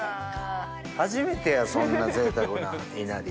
初めてやそんな贅沢ないなり。